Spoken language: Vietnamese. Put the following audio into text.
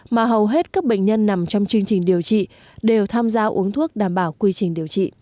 mà hầu hết các bệnh nhân nằm trong chương trình điều trị đều tham gia uống thuốc đảm bảo quy trình điều trị